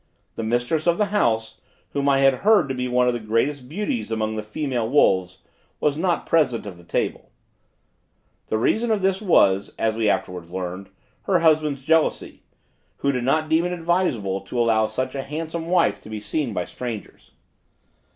The mistress of the house, whom I had heard to be one of the greatest beauties among the female wolves, was not present at the table: the reason of this was, as we afterwards learned, her husband's jealousy, who did not deem it advisable to allow such a handsome wife to be seen by strangers.